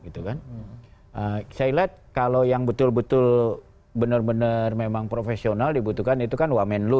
saya lihat kalau yang betul betul benar benar memang profesional dibutuhkan itu kan wamenlu